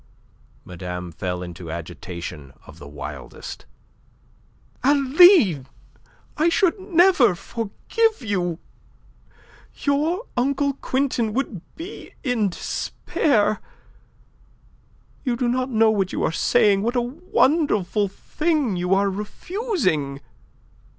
Madame fell into agitation of the wildest. "Aline, I should never forgive you! Your uncle Quintin would be in despair. You do not know what you are saying, what a wonderful thing you are refusing.